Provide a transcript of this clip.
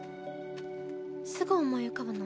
すぐ思い浮かぶの？